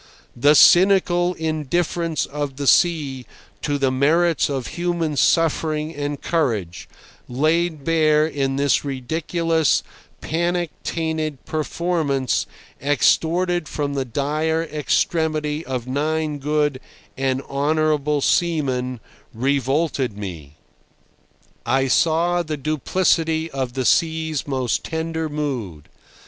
The cynical indifference of the sea to the merits of human suffering and courage, laid bare in this ridiculous, panic tainted performance extorted from the dire extremity of nine good and honourable seamen, revolted me. I saw the duplicity of the sea's most tender mood.